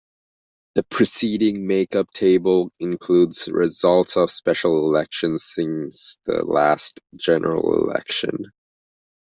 The preceding Makeup table includes results of special elections since the last general election.